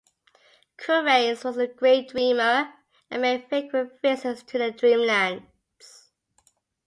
Kuranes was a great dreamer and made frequent visits to the Dreamlands.